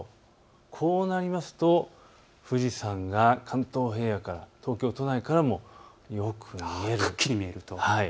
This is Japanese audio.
こうなりますと富士山が関東平野から東京都内からもよく見えると、くっきり見えると。